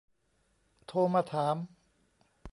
โทรมาถาม